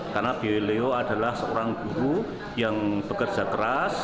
karena beliau adalah seorang guru yang bekerja keras